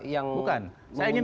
yang menguntungkan pemerintah bukan